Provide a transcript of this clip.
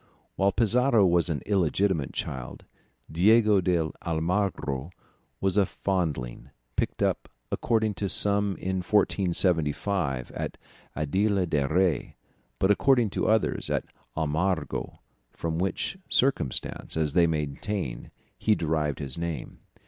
While Pizarro was an illegitimate child, Diego de Almagro was a foundling, picked up according to some in 1475 at Aldea del Rey, but according to others at Almagro, from which circumstance, as they maintain, he derived his name.